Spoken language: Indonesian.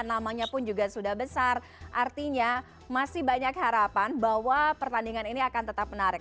namanya pun juga sudah besar artinya masih banyak harapan bahwa pertandingan ini akan tetap menarik